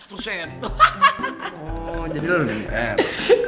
oh jadi lo denger